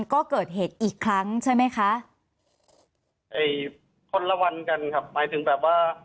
ก็เกิดเหตุอีกครั้งใช่ไหมคะไอ้คนละวันกันครับหมายถึงแบบว่า